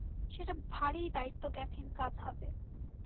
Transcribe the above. সেটা ভারিই দায়িত্বজ্ঞানহীন কাজ হবে।